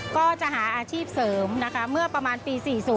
ก็จะหาอาชีพเสริมนะคะเมื่อประมาณปี๔๐